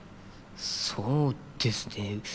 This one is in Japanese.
そうですね。